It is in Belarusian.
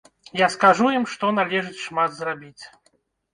Я скажу ім, што належыць шмат зрабіць.